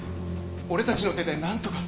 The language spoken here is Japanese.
俺たちの手でなんとか。